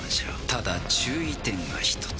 ただ注意点が一つ。